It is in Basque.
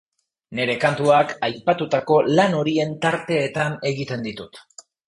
Nere kantuak aipatutako lan horien tarteetan egiten ditut.